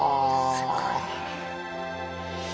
すごい。